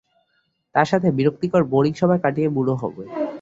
তার সাথে বিরক্তিকর বোরিং সময় কাটিয়ে বুড়ো হবে।